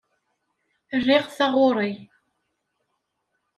Riɣ taɣuri.